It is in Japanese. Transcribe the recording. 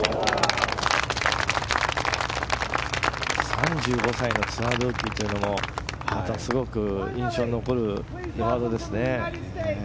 ３５歳のツアールーキーというのもまたすごく印象に残るワードですね。